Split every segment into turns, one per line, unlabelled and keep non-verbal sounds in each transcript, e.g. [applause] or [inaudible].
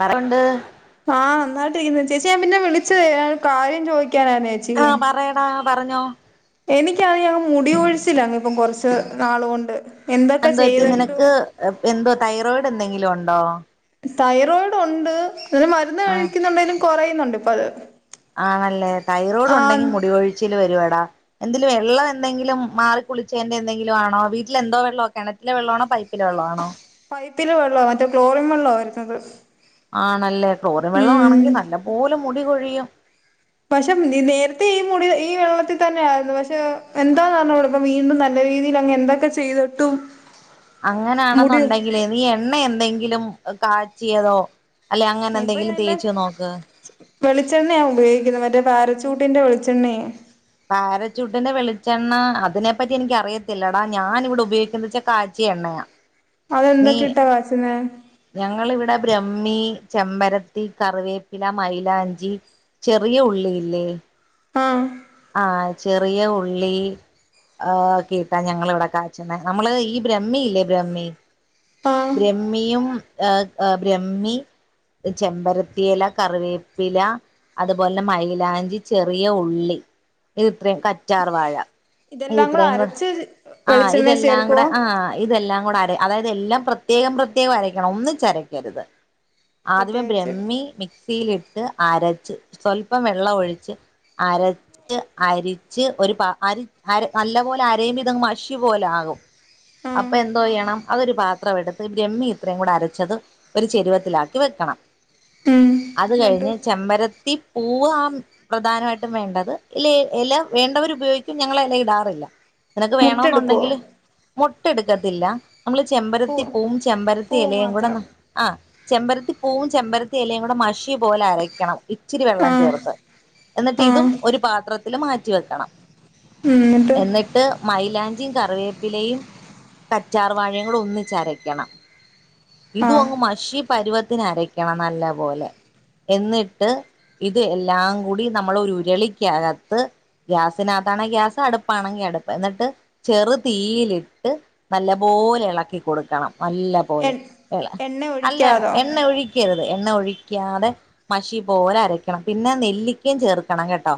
പറ ഉണ്ട്.
ആഹ് നന്നായിട്ടിരിക്കുന്ന് ചേച്ചി ഞാൻ പിന്നെ വിളിച്ചത് ഒരു കാര്യം ചോദിക്കാനായിരുന്നേ
ആഹ് പറയടാ പറഞ്ഞോ?
എനിക്കതെയാ മുടി കൊഴിച്ചില്ലങ്ങ് ഇപ്പം കൊറച്ച് നാളുകൊണ്ട് എന്തൊക്കെ
എന്ത് പറ്റി
ചെയ്തിട്ടും
നിനക്ക് എന്തോ തൈറോയിഡ് എന്തെങ്കിലും ഒണ്ടോ?
തൈറോയിഡ് ഒണ്ട് അയിന് മരുന്ന്
ആഹ്.
ന്നുണ്ടേനും കൊറയുന്നുണ്ട് ഇപ്പൊ അത്
ആണല്ലേ തൈറോയ്ഡ്
ആഹ്
ഒണ്ടെങ്കി മുടികൊഴിച്ചില് വരുവടാ- എന്തേലും വെള്ളം എന്തെങ്കിലും മാറിക്കുളിച്ചെന്റെ എന്തങ്കിലും ആണോ വീട്ടിലെന്തോ വെള്ളോവ കെണ റ്റിലെ വെള്ളണോ പൈപ്പിലെ വെള്ളണോ?
പൈപ്പിലെ വെള്ളവ മറ്റേ ക്ലോറിൻ വെള്ള വരുന്നത്.
ആണല്ലേ ക്ലോറിൻ വെള്ളം
ഉം
ആണെങ്കിൽ നല്ല പോലെ മുടി കൊഴിയും.
പക്ഷെ നേരത്തെ ഈ മുടി ഈ വെള്ളത്തിൽ തന്നെ ആയിരുന്നു പക്ഷെ എന്തന്ന് അറിഞ്ഞുട വീണ്ടും നല്ല രീതിയിൽ അങ്ങ് എന്തൊക്കെ ചെയ്തിട്ടും മുടി
അങ്ങനാണെന്നുണ്ടെങ്കിലെ നീ എണ്ണ എന്തെങ്കിലും കാച്ചിയതോ? അല്ലെ അങ്ങനെ എന്തെങ്കിലും തേച്ചു നോക്ക്.
വെളിച്ചെണ്ണയാണ് ഉപയോഗിക്കുന്നത് മറ്റേ പാരച്ചൂട്ടിൻ്റെ വെളിച്ചെണ്ണയേ
പാരച്ച്യൂട്ടിന്റെ വെളിച്ചെണ്ണ അതിനെപ്പറ്റി എനിക്കറിയത്തില്ലടാ ഞാൻ ഇവിടെ ഉപയോഗിക്കുന്നെച്ചാ കാച്ചിയ എണ്ണയാ.
അതെന്തൊക്കെ ഇട്ടാ കാച്ചുന്നേ?
ഞങ്ങിവിടെ ബ്രഹ്മി, ചെമ്പരത്തി, കറിവേപ്പില, മൈലാഞ്ചി ചെറിയ ഉള്ളിയില്ലേ?
ആഹ്
ആഹ് ചെറിയ ഉള്ളി. ആഹ് ഒക്കെ ഇട്ടാ ഞങ്ങളിവിടെ കാച്ചുന്നേ നമ്മള് ഈ ബ്രഹ്മിയില്ലേ ബ്രഹ്മി
ആഹ്
ബ്രഹ്മിയും ആഹ് ബ്രഹ്മി- ചെമ്പരത്തിഎല കറിവേപ്പില- അതുപോലെ മൈലാഞ്ചി ചെറിയ ഉള്ളി. ഇത് ഇത്രയും കറ്റാർ വാഴ
ഇതെല്ലാം
ഇത്രയും കൂടെ
അരച്ച്
ആഹ്
വെളിച്ചെണ്ണെ
ഇതെല്ലാം
ചേർക്കുവോ
കൂടെ ആഹ് ഇതെല്ലാം കൂടെ അര അതായത് എല്ലാം പ്രത്യേകം പ്രത്യേകം അരയ്ക്കണം ഒന്നിച്ച് അരക്കരുത്. ആദ്യമേ
പ്രത്യേകിച്ച്
ബ്രഹ്മി മി മി ക്സിയിലിട്ട് അരച്ച് സ്വല്പം വെള്ളമ ഴിച്ച് അരച് അരിച്ച് ഒരു പ നല്ല പോലെ അരയുമ്പോ ഇത് മഷി പോലെ ആകും
ആഹ്
അപ്പൊ എന്തോയ്യണം അതൊരു പാത്രം എടുത്ത് ബ്രഹ്മി ഇത്രയും കൂടെ അരച്ചത് ഒരു ചെരുവത്തിലാക്കി വെക്കണം.
ഉം
അത്
എന്നിട്ട്
കഴിഞ്ഞ് ചെമ്പരത്തി പൂവാ പ്രധാനമായിട്ടും വേണ്ടത് ഇല്ല എ ലവേണ്ടവരുപയോഗിക്കും ഞങ്ങള എല ഇടാറില്ല നിനക്ക്
മുട്ടെടുക്കുവോ
വേണെന്നുണ്ടെങ്കില് മൊട്ട് എടുക്കത്തില്ല നമ്മള്
പൂ
ചെമ്പരത്തി പൂവും
പൂ
ചെമ്പരത്തി ഇലയും കൂടെ
മാത്രം
ന ആഹ് ചെമ്പരത്തി പൂവും ചെമ്പരത്തി എലയും കൂടെ മഷി പോലെ അരയ്ക്കണം ഇച്ചിരി വെള്ളം
ആഹ്
ചേർത്ത് എന്നിട്ട് ഇതും
ആഹ്
ഒരു പാത്രത്തില് മാറ്റി വെക്കണം എന്നിട്ട് മൈലാഞ്ചിയും കറിവേപ്പിലയും കറ്റാർ വാഴയും കൂടെ ഒന്നിച്ചരക്കണം ഇതു
ആഹ്
അങ്ങ് മഷീ പരുവത്തിന് അരയ്ക്കണം നല്ല പോലെ എന്നിട്ട് ഇത് എല്ലാം കൂടി നമ്മളൊ രു ഉരുളിക്കക ത്ത് ഗ്യാസിനകത്താണെ ഗ്യാസ് അടുപ്പാണെങ്കി അടുപ്പ് എന്നിട്ട് ചെറുതീയിലിട്ട് നല്ലപോലെ ഇളക്കി കൊടുക്കണം നല്ല
എ
പോലെ ഇള
എണ്ണ
അല്ലട
ഒഴിക്കാതോ
എണ്ണ ഒഴി ഒഴിക്കരുത് എണ്ണ ഒഴിക്കാതെ മഷി പോലെ അരക്കണം പിന്നെ നെല്ലിക്കയും ചേർക്കണം കേട്ടോ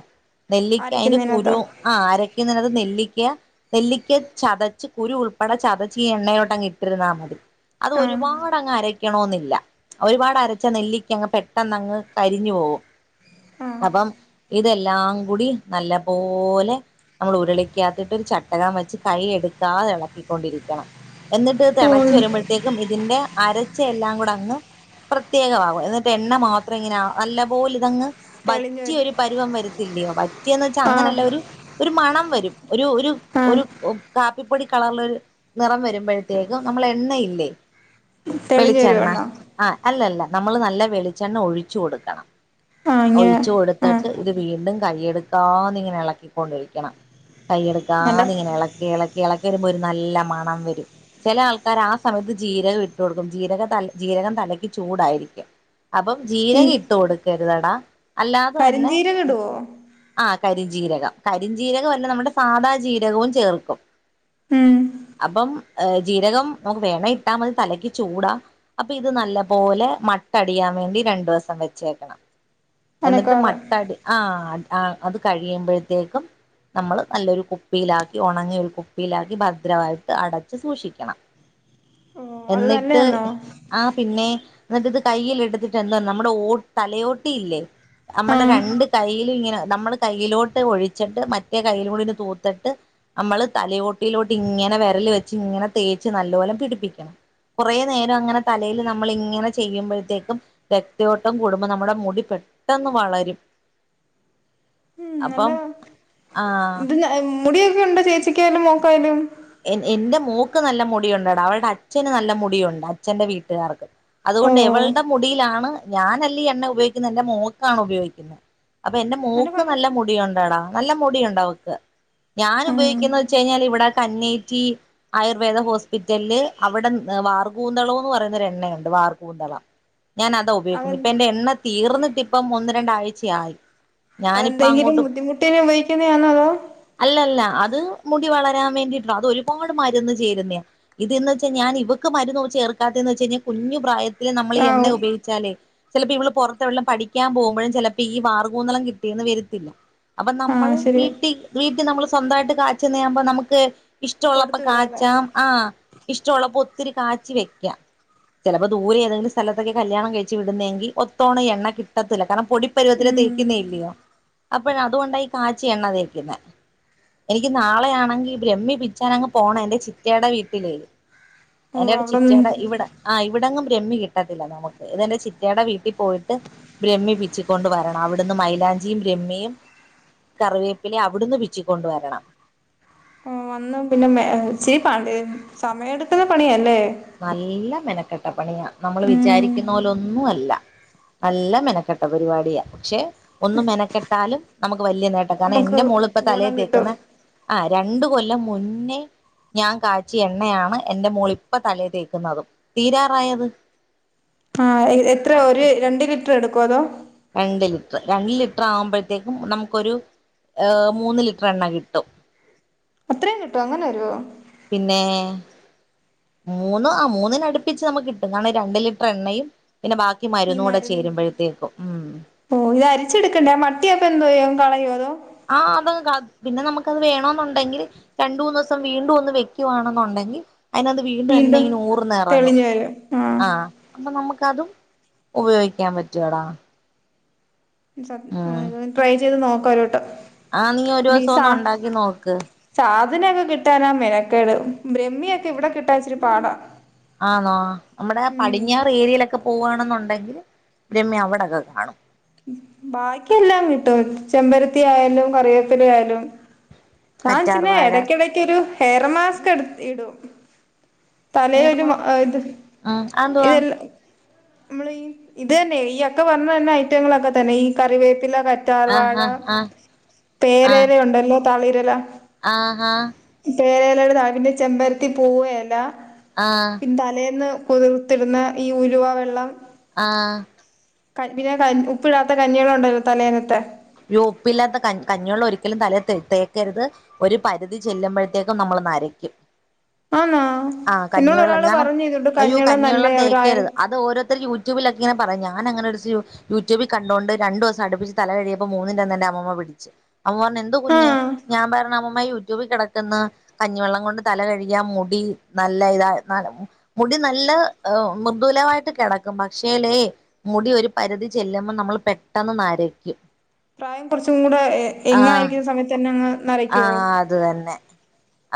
നെല്ലിക്ക അതിന്റെ
അരയ്ക്കുന്നതിനകത്തോ
കുരു ആഹ് ആരക്കുന്നത് നെല്ലിക്ക നെല്ലിക്ക ചതച്ച് കുരു ഉൾപ്പെടെ ചതച്ച് ഈ എണ്ണേലോട്ട് അങ്ങ് ഇട്ടിരുന്നാ മതി അത്
ആഹ്
ഒരുപാട് അങ്ങ് അരക്കണോ ന്നില്ല ഒരുപാട് അരച്ച നെല്ലിക്ക അങ്ങ് പെട്ടെന്ന് അങ്ങ് കരിഞ്ഞു പോവും
ആഹ്
അപ്പം ഇതെല്ലാം കൂടി നല്ല പോലെ നമ്മൾ ഉരുളിക്കാത്തിട്ടൊരു ചട്ടകം വെച്ച് കൈ എടുക്കാതെ ഇളക്കിക്കൊണ്ടിരിക്കണം എന്നിട്ട്
ഓ
തെളച്ചു വരുമ്പോഴത്തേക്കും ഇതിന്റെ അര ച്ചെഎല്ലാം കൂടെ അങ്ങ് പ്രത്യേകമാകും എന്നിട്ട് എണ്ണ മാത്രം ഇങ്ങനെ നല്ലപോലെ ഇതങ്ങ്
തെളിഞ്ഞു
വറ്റിയ
വരും
ഒരു പരുവം വരത്തില്ലയോ വറ്റിയെന്ന് വെച്ചാൽ
ആഹ്
അങ്ങനെയല്ല ഒരു ഒരു മണം വരും ഒരു ഒരു
ആഹ്
ഒരു കാപ്പിപ്പൊടി കളറിലൊരു നിറം വരുമ്പൊഴത്തേക്കും നമ്മള എണ്ണയില്ലേ
തെളിഞ്ഞു
വെളിച്ചെണ്ണ
വരുവാണോ
ആ അല്ലല്ല നമ്മള് നല്ല വെളിച്ചെണ്ണ ഒഴിച്ചു കൊടുക്കണം
ആഹ് ഇങ്ങനെ
ഒഴിച്ചു
ആഹ്
കൊടുത്തിട്ട് ഇത് വീണ്ടും കയ്യെടുക്കാതെ ഇങ്ങനെ ഇളക്കിക്കൊണ്ടിരിക്കണം
നല്ല
കൈയെടുക്കാതെ ഇങ്ങനെ ഇളക്കി ഇളക്കി ഇളക്കി വരുമ്പൊ ഒരു നല്ല മണം വരും ചെല ആൾക്കാർ ആ സമയത്ത് ജീരകം ഇട്ടു കൊടുക്കും ജീരകം തല ജീരകം തലയ്ക്ക് ചൂടാരിക്കും അപ്പം
ഈ
ജീരകം ഇട്ടു കൊടുക്കരുതെ ടാ
കരിഞ്ജീരകം ഇടുവൊ
ആ കരിഞ്ജീരകം കരിഞ്ജീരകം അ ല്ല നമ്മുടെ സാദാ ജീരകവും ചേർക്കും
ഉം
അപ്പം ഏ ജീരകം നമുക്ക് വേണേ ഇട്ടാ മതി തലക്ക് ചൂടാ അപ്പൊ ഇത് നല്ല പോലെ മട്ടടിയാൻ വേണ്ടി രണ്ടു ദിവസം വെച്ചേക്കണം എന്നിട്ട്
അനക്കാതെ
മട്ടടി ആഹ ആ അത് കഴിയുമ്പോഴത്തേക്കും നമ്മള് നല്ലൊരു കുപ്പിയിലാക്കി ഉണങ്ങിയ ഒരു കുപ്പിയിലാക്കി ഭദ്രമായിട്ട് അടച്ച് സൂക്ഷിക്കണം
ഓ അത്
എന്നിട്ട്
നല്ലയാന്നോ
ആ പിന്നെ എന്നിട്ട് ഇത് കയ്യിൽ എടുത്തിട്ട് എന്താ നമ്മുടെ ഓ തലയോട്ടിയില്ലേ നമ്മുടെ
ആഹ്
രണ്ട് കൈയിലും ഇങ്ങനെ നമ്മള് കയ്യിലോട്ട് ഒഴിച്ചിട്ട് മറ്റേ കയ്യിലും കൂടി ഇത് തൂത്തിട്ട് നമ്മള് തലയോട്ടിയിലോട്ട് ഇങ്ങനെ വിരൽ വെച്ച് ഇങ്ങനെ തേച്ച് നല്ല പോലെ പിടിപ്പിക്കണം കുറെനേരം അങ്ങനെ തലേൽ നമ്മൾ ഇങ്ങനെ ചെയ്യുമ്പോഴത്തേക്കും രക്തയോട്ടം കൂടുമ്പോൾ നമ്മുടെ മുടി പെട്ടെന്ന് വളരും
ഉം നല്ല
അപ്പം ആഹ്
ത് മുടിയൊക്കെ ഉണ്ടോ ചേച്ചിക്കായാലും മോക്കായാലും
എ എന്റെ മോക്ക് നല്ല മുടിയുണ്ട്ടാ അവൽടെ അച്ഛന് നല്ല മുടിയുണ്ട് അച്ഛന്റെ വീട്ടുകാർക്ക്
ഓ
അതുകൊണ്ട് ഇവളുടെ മുടിയിലാണ് ഞാനല്ല ഈ എണ്ണ ഉപയോഗിക്കുന്നത് എന്റെ മോൽ ക്കാണ് ഉപയോഗിക്കുന്നത് അപ്പൊ എന്റെ മോക്ക് നല്ല മുടി ഒണ്ടടാ നല്ല മുടി ഒണ്ട് അവക്ക് ഞാൻ
ഉം
ഉപയോഗിക്ക്യാന്ന വെച്ച് കയിഞ്ഞാ ഇവടെ കന്നേറ്റി ആയുർവേദ ഹോസ്പിറ്റലില് അവടെ വാർകൂന്തളോന്ന് പറയു ന്നൊരെണ്ണയുണ്ട് വാർകൂന്തള ഞാൻ അതാ
അതെ
ഉപയോഗിക്ക്ന്നെ ഇപ്പം എന്റെ എണ്ണ തീർന്നിട്ട് ഇപ്പം ഒന്ന് രണ്ടാഴ്ച്ചയായി
അതെന്തെങ്കിലും ബുദ്ധിമുട്ടിന് ഉപയോഗിക്കുന്നെ ആന്നോ അതോ
അല്ലല്ല അത് മുടി വളരാൻ വേണ്ടിയിട്ട് അത് ഒരുപാട് മരുന്ന് ചേര്ന്നെയാ ഇതന്ന് വെച്ചാ ഞാൻ ഇവക്ക് മരുന്ന് ചേർക്കാതേന്ന് വെച്ച് കഴിഞ്ഞാ കുഞ്ഞ് പ്രായത്തില് നമ്മള് ഈ എണ്ണ
ആഹ്
ഉപയോഗിച്ചാലേ ചെലപ്പോ ഇവള് പൊറത്ത് എവടങ്കിലും പഠിക്ക്യാൻ പോകുമ്പഴും ചെലപ്പോ ഈ വാർകൂന്തളം കിട്ടിയേന്ന് വെര്ത്തില്ലാ അപ്പൊ
ആഹ്
നമ്മള്
ശരിയാ
വീട്ടി വീട്ടി നമ്മള് സ്വന്തായിട്ട് കാച്ച്ന്നാവ്മ്പോ നമ്മക്ക് ഇഷ്ടോള്ളപ്പോം
കൊടുത്തു വിടാല്ലേ
കാച്ചാം ആഹ് ഇഷ്ട്ടോള്ളപ്പോം ഒത്തിരി കാച്ചി വെക്കാം ചെലപ്പം ദൂരെ ഏതെങ്കിലും സ്ഥലത്തൊക്ക്യാ കല്യാണം കയിച്ച് വിട്ന്നേങ്കി ഒത്തോണെ ഈ എണ്ണാ കിട്ടത്തില്ല കാരണം പൊടിപ്പരുവത്തിലേ
ഉം
തേക്ക്ന്നേ അല്ലയോ അ അപ്പഴ് അത് കൊണ്ടാ ഈ കാച്ചി എണ്ണ തേക്കുന്നേ എനിക്ക് നാളെയാണെങ്കി ബ്രഹ്മി പിച്ചാന് അങ്ങ് പോണം എന്റെ ചിറ്റടെ വീട്ടില്
ഓ
എന്റെ ചിറ്റടെ
അവിടൊന്നും
ഇവടെ ആഹ് ഇവടെങ്ങും ബ്രഹ്മി കിട്ടത്തില്ലാ നമ്മക്ക് ഇതെന്റെ ചിറ്റടെ വീട്ടി പോയിട്ട് ബ്രഹ്മി പിച്ചിക്കോണ്ട് വെരണം അവട്ന്ന് മൈലാഞ്ചിയും ബ്രഹ്മിയും കറിവേപ്പിലെയും അവട്ന്ന് പിച്ചിക്കൊണ്ട് വെരണം
ആഹ് വന്ന പിന്നെ മെ ഇച്ചിരി [unintelligible] സമയമെട്ക്കണ പണിയാല്ലേ
നല്ല മെനക്കെട്ട പണിയ നമ്മള് വിചാരി
ഉം
ക്കുന്ന പോലൊന്നും അല്ലാ നല്ല മെനക്കെട്ടാ പരിപാടിയാ പക്ഷെ ഒന്നു മെനക്കെട്ടാലും നമ്മക്ക് വല്ല്യാ നേട്ടം കാരണം
നമുക്ക്
എൻ്റെ മോള് ഇപ്പോ തലേ
ഗുണം കിട്ടും
തേക്ക്ന്നെ ആഹ് രണ്ട് കൊല്ലം മുന്നേ ഞാൻ കാച്ചിയ എണ്ണയാണ് എന്റെ മോള് ഇ പ്പം തലേ തേക്ക്ന്നതും തീരാറായത്
ആഹ്
ആ
എത്രയാ ഒര് രണ്ട് ലിറ്റർ എടുക്കുവോ അതോ
രണ്ട് ലിറ്റർ രണ്ട് ലിറ്റർ ആവ്മ്പഴത്തേക്കും നമ്മക്കൊരു ഏഹ് മൂന്ന് ലിറ്റർ എണ്ണ കിട്ടും
അത്രയും കിട്ടുവോ അങ്ങനെ വെരുവോ
പിന്നെ മൂന്ന് ആഹ് മൂന്നിന് അടിപ്പിച്ച് നമ്മക്ക് കിട്ടും കാരണം രണ്ട് ലിറ്റർ എണ്ണയും പിന്നെ ബാ ക്ക് മരുന്നൂടെ ചേരുമ്പഴത്തേക്കും ഉം
ഓഹ് ഇത് അരിച്ചെടുക്കണ്ടേ ആഹ് മട്ടി അപ്പൊ എന്തോ ചെയ്യം കളയോ അതോ
ആഹ് അത് ക പിന്നെ നമ്മക്കത് വേണോന്നുണ്ടെങ്കില് രണ്ട് മൂന്ന് ഇസം വീണ്ടും ഒന്ന് വെക്ക്യാവാണെന്ന് ഒണ്ടെങ്കി അയിന്റത്ത് വീണ്ടും എണ്ണ ഇങ്ങനേ ഊർന്ന് എറങ്ങും
തെളിഞ്ഞു വരും ആ
ആഹ് അപ്പൊ നമക്ക് അതും ഉപയോഗിക്കാൻ പറ്റൂടാ
ട്രൈ ചെയ്ത് നോക്കാം ഒര് വട്ടം
ആഹ് നീ ഒര്സം ഒന്ന് ഒണ്ടാക്കി നോക്ക്
സാധനയൊക്കെ കിട്ടാനാ മെനക്കേട് ബ്രഹ്മിയൊക്കെ ഇവടെ കിട്ടാൻ ഇച്ചിരി പാടാ
ആന്നോ നമ്മടെ
ഉം
പടിഞ്ഞാറ് ഏരിലൊക്കെ പോവണെന്നേണ്ടെങ്കി ബ്രഹ്മി അവിടെക്കെ കാണും
ബാക്കിയെല്ലാം കിട്ടും ചെമ്പരത്തിയായും കറിവേപ്പില ആയാലും
കറ്റാർ
[unintelligible]
വാഴ
എടക്കെടക്ക് ഒര് ഹെയർ മാസ്ക് എടുത്ത് ഇടും തലേലൊര്
വേറെമാ
ആത്
ആഹ് അതെന്തുവാ
എല്ലോം നമ്മള് ഈ ഇത് തന്നെ ഈ അക്ക പറഞ്ഞ തന്ന ഐറ്റങ്ങളൊക്കെ തന്നെ ഈ കറിവേപ്പിലാ ക കറ്റാർവാഴ
ആഹ് ആഹ് ആഹ്
പേര
ആഹ്
എല ഒണ്ടല്ലോ തളിരെല
ആഹ് ഹാ
പേരേലെടെ ത പിന്നെ ചെമ്പരത്തിപൂവ് എലാ
ആഹ്
തലേന്ന് കുതിർത്ത് ഇട്ന്നാ ഈ ഉലുവാ വെള്ളം
ആഹ്
[unintelligible] ഉപ്പ് ഇടാത്ത കഞ്ഞി വെള്ളം ഒണ്ടല്ലോ തലേനത്തെ
ഉപ്പില്ലാത്ത കഞ് കഞ്ഞിവള്ളം ഒരിക്കലും തലേ തലേത്ത് ത്തേക്കരുത് ഒരു പരിധി ചെല്ലുമ്പഴത്തേക്കും നമ്മൾ നരയ്ക്കും
ആന്നാ
ആഹ്
എന്നോട്
കഞ്ഞിവെള്ളം
ഒരാള്
ഞാൻ
പറഞ്ഞു ഇതുണ്ട്
അയ്യോ കഞ്ഞിവെള്ളം
നല്ലയാ ഒരു ആയിര
തേക്കരുത് അത് ഓരോര്ത്തര് യൂടൂബിലക്കങ്ങെനെ പറിം ഞാന അങ്ങനെഒരൂസം യൂട്യൂബിൽ കണ്ടുകോണ്ട് ര ണ്ടുസം അടുപ്പിച്ച് തല കഴ്കി അപ്പം മൂന്നിന്റെ അന്നന്നെ അമ്മമ്മ പിടിച്ചു അമ്മമ്മ പറഞ് എന്ത് കുഞ്ഞേ
ആഹ്
ഞാൻ പറഞ്ഞമ്മ മ്മ യൂട്യൂബിൽ കെടക്കുന്ന കഞ്ഞിവെള്ളം കൊണ്ട് തല കഴികായാ മുടി നല്ല ഇത ന മുടി നല്ല എഹ്‌ മൃദുലമായിട്ട് കെടക്കും, പക്ഷേല്ലേ മുടി ഒരു പരിധി ചെല്ലുമ്പം നമ്മള് പെട്ടെന്ന് നരക്കും.
പ്രായം കുറച്ചും കൂടെ എ എങ്ങ്
ആഹ്
ആയിരിക്കുന്ന സമയത്ത് തന്നെ അങ്ങ് നരയ്ക്കോ?
ആഹ് അത് തന്നെ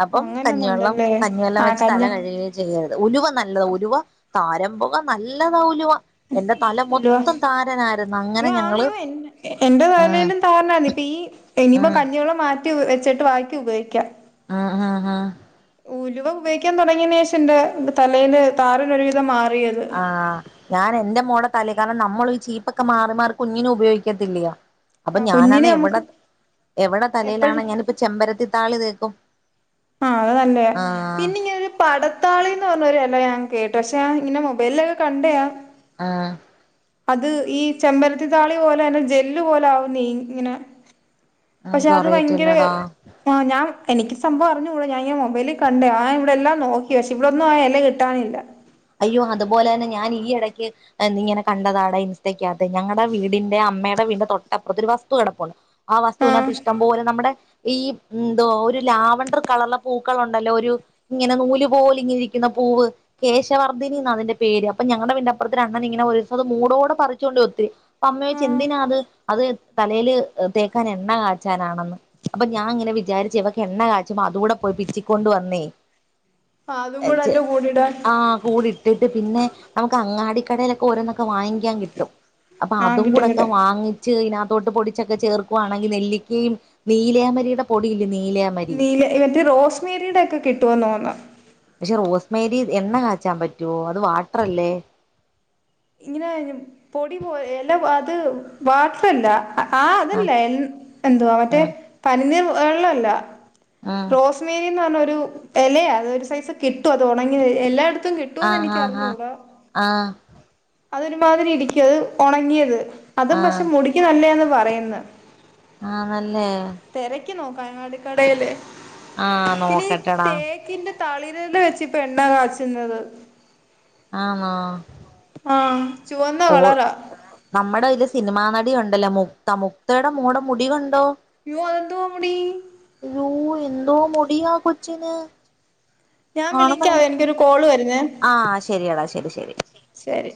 അപ്പം കഞ്ഞിവെള്ളം
അങ്ങനൊന്നുംണ്ടല്ലേ
കഞ്ഞിവെള്ളം
ആഹ്
വെച്ച് തല
കല്യാ
കഴുകുകയും ചെയ്യരുത്, ഉലുവ നല്ലതാ ഉലുവ താരം പോകാൻ നല്ലതാ ഉലുവ എന്റെ തല
ഉലുവ
മൊത്തം താരനാരുന്നു അങ്ങനെ
അയ്യോ
ഞങ്ങള്
ആന്നിയോ എന്റെ എന്റെ
ഉം
തലേലും താരനാണ് ഇപ്പ ഈ ഇനിപ്പ
ഉം
കഞ്ഞിവെള്ളം മാറ്റി വെ വെച്ചിട്ട് വാക്കി ഉപയോഗിക്കാ
ആഹ് ആഹ് ആഹ്
ഉലുവ ഉപയോഗിക്കാൻ തുടങ്ങിയന് ശേഷം ഇന്റെ തലയില് താരന് ഒരുവിധം മാറിയത്.
ആഹ് ഞാൻ എന്റെ മോളെ തലെ കാരണം നമ്മളി ഈ ചീപ്പൊക്കെ മാറി മാറി കുഞ്ഞിനും ഉപയോഗിക്കത്തില്ലിയ അപ്പൊ
ആഹ്
ഞാനാന്ന്
കുഞ്ഞിന്
എവിടെ
നമുക്ക്
എവിടെ തലയിലാണ്
എപ്പഴും
ഞാനിപ്പോ ചെമ്പരത്തി താളി തേക്കും.
ആഹ് അത് തന്നേ,
ആഹ്
പിന്നെ ഞാൻരു പടത്താളിന്ന് പറഞ്ഞൊരെല ഞാൻ കേട്ടു പക്ഷേ ആ ഇങ്ങനെ മൊബൈലിലൊക്കെ കണ്ടയാ
ആഹ്
അത് ഈ ചെമ്പരത്തി താളി പോലെ അന്നെ ജെല്ല് പോലെ ആകു നീ ഇങ്ങനെ പക്ഷെ അത് ഭയങ്കര
എനിക്കറിയത്തില്ലടാ
ആഹ് ഞാൻ എനിക്ക് സംഭവം അറിഞ്കൂടാ ഞാൻ ഇങ്ങ മൊബൈല് കണ്ടേ ഞാൻ ഇവിടെല്ലാം നോക്കി പക്ഷെ ഇവിടൊന്നും ആ എല കിട്ടാനില്ല.
അയ്യോ അതുപോലെ തന്നെ ഞാൻ ഈ എടയ്ക്ക് എന്നി ഇങ്ങനെ കണ്ടതാട ഇൻസ്റ്റേക്കകത്ത് ഞങ്ങടെ വീടിന്റെ അമ്മേടെ വീടിന്റെ തൊട്ടപ്പുറത് ഒരു വസ്തു കടപ്പുണ്ട് ആ
ആഹ്
വസ്തുവനകത്ത് ഇഷ്ടംപോലെ നമ്മടെ ഈ എന്തോ ഒരു ലാവണ്ടർ കളറിൽള്ള പൂക്കളുണ്ടല്ലോ ഒരു ഇങ്ങനെ നൂല് പോല ഇങ്ങനെ ഇരിക്കുന്ന പൂവ്, കേശ് ശവർധിനി ന്നാ അതിന്റെ പേര് അപ്പ ഞങ്ങടെ വീടിന്റെപ്പറത്ത് ഒരഅണ്ണൻ ഇങ്ങനെ ഒരുസത് മൂടോടെ പറിച്ചുകൊണ്ട് ഒത്തിരി അപ്പ അമ്മ ചോയ്ച്ചു
ആഹ്
എന്തിനാ അത്, അത് തലേല് തേക്കാൻ എണ്ണ കാച്ചാനാണെന്ന് അപ്പൊ ഞാൻ ഇങ്ങനെ വിചാരിച്ചു ഇവക്ക് എണ്ണ കാച്ചുമ്പോ അതുകൂടെ പോയി പിച്ചിക്കൊണ്ട് വന്നേ
അതും കൂടെ
എച്ച്
അതിന്റെ കൂടെ ഇടാൻ
ആഹ് കൂടി ഇട്ടിട്ട് പിന്നെ നമക്ക് അങ്ങാടിക്കടയിലൊക്കെ ഓരോന്നൊക്കെ വാങ്ങിക്കാൻ കിട്ടും. അപ്പ
ആഹ്
അതും
കിട്ടും
കൂടെക്കെ
കിട്ടും
വാങ്ങി ച്ച് അതിനകത്തോട്ട് പൊടിച്ചൊക്കെ ചേർക്കുവാണെങ്കി നെല്ലിക്കിം നീലേയമരിയുടെ പൊടിയില്ലെ നീല
നീലെ എ [unintelligible] റോസ് മേരിയുടെ ഒക്കെ കിട്ടുവോ തോന്നാ
പക്ഷെ റോസ്മേരി എണ്ണ കാച്ചാൻ പറ്റുവോ, അത് വാട്ടറല്ലേ?
ഇങ്ങനെ പൊടിപോ എല അത് വാട്ടറല്ല. ആഹ് അതല്ല എന്ത്‌ എന്തുവാ മറ്റേ പനിനീർ വെള്ളല്ല
ആഹ്
റോസ് മേരി എന്ന് പറഞ്ഞ ഒരു എലയാത് ഒരു സൈസ് കിട്ടു അത് ഒണങ്ങി എല്ലായിടത്തും കി
ആഹ് ആഹ് ആഹ് ആഹ്
അതൊരുമാതിരി ഇരിക്കും അത് ഒണങ്ങിയത് അതും
ആഹ്
പക്ഷെ
ആഹ്
മുടിക്ക് നല്ലന്ന് പറയന്ന്
ആണല്ലേ
തെരക്കി നോക്ക് അങ്ങാടി കടയിലെ,
ആഹ്
പിന്നെ ഈ
നോക്കട്ടെടാ
തേക്കിന്റെ തളിരല് വെച്ച് ഇപ്പ എണ്ണ കാച്ചിന്നത്
ആണോ?
ആഹ് ചുവന്ന കളറ
നമ്മടെ ഒര് സിനിമാ നടി ഉണ്ടല്ലോ മുക്ത, മുക്തയുടെ മോടെ മുടി കണ്ടോ?
യ്യോ അത് എന്തുവ മുടി?
അയ്യോ എന്തോ മുടിയാ കൊച്ചിന്
ഞാൻ
കാണുമ്പോ
വിളിക്കാവെ എനിക്കൊരു കോള് വരുന്നേ
ആ ശരിയടാ ശരി ശരി
ശരി